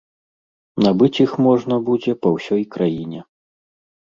Набыць іх можна будзе па ўсёй краіне.